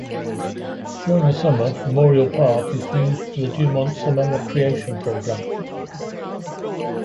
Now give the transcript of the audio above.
During the summer Memorial Park is used for the Dumont Summer Recreation Program.